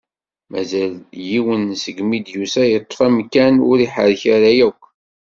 Mazal yiwen, seg mi i d-yusa yeṭṭef amkan ur iḥerrek ara akk.